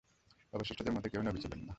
অবশিষ্টদের মধ্যে কেউই নবী ছিলেন না।